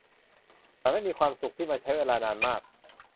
ฉันไม่มีความสุขที่มันใช้เวลานานมาก